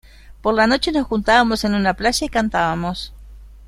Por la noche nos juntábamos en una playa y cantábamos